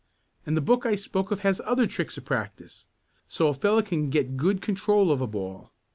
And the book I spoke of has other tricks of practice, so a fellow can get good control of a ball.